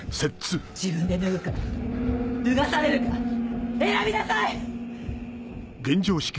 自分で脱ぐか脱がされるか選びなさい！